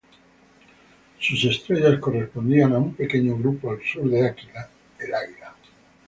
Sus estrellas correspondían a un pequeño grupo al sur de Aquila, el águila.